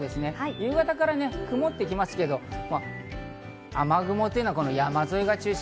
夕方から曇ってきますけど、雨雲は山沿いが中心。